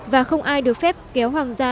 và không ai được phép kéo hoàng gia